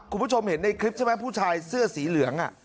คุณผู้ชมเห็นในคลิปใช่ไหมผู้ชายเสื้อสีเหลือง